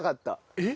えっ？